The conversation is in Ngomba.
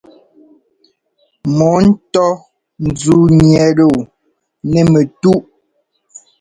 Mɔ́ ŋtɔ́ zǔu gniɛt wú nɛ̂ mɛtú.